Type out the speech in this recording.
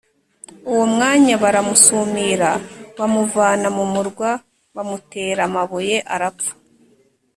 uwo mwanya baramusumira bamuvana mu murwa, bamutera amabuye arapfa